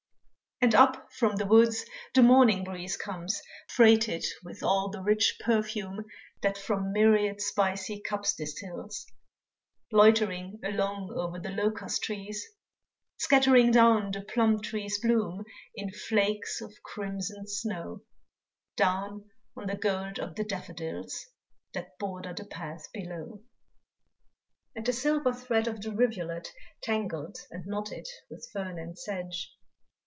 And up from the woods the morning breeze Comes freighted with all the rich perfume That from myriad spicy cups distils, Loitering along o'er the locust trees. Scattering down the plum trees' bloom In flakes of crimson snow Down on the gold of the daffodils That border the path below. And the silver thread of the rivulet Tangled and knotted with fern and sedge.